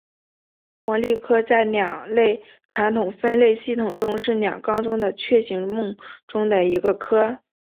黄鹂科在鸟类传统分类系统中是鸟纲中的雀形目中的一个科。